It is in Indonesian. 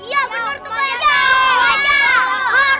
iya bener tuh pak